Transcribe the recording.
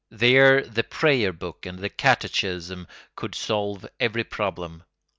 There the prayer book and the catechism could solve every problem.